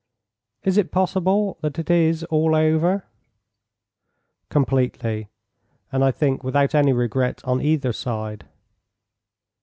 "Is it possible that it is all over?" "Completely, and I think without any regret on either side."